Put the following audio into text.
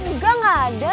engga gak ada